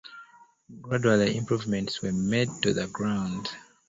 Gradually improvements were made to the ground.